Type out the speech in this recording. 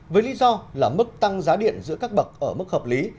với lý do là mức tăng giá điện giữa các bậc ở mức hợp lý